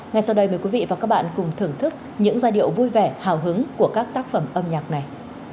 ngay sau đây mời quý vị và các bạn cùng thưởng thức những giai điệu vui vẻ hào hứng của các tác phẩm âm nhạc này